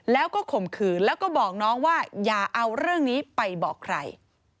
แล้วก็ข่มขืนแล้วก็บอกน้องว่าอย่าเอาเรื่องนี้ไปบอกใคร